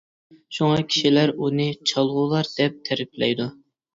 شۇڭا كىشىلەر ئۇنى ‹ ‹چالغۇلار› › دەپ تەرىپلەيدۇ.